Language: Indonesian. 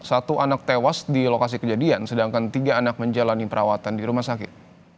satu anak tewas di lokasi kejadian sedangkan tiga anak menjalani perawatan di rumah sakit